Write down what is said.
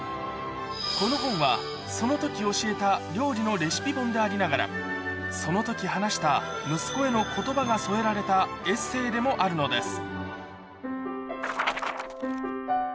この本は、そのとき教えた料理のレシピ本でありながら、そのとき話した息子へのことばが添えられたエッセーでもあるのです。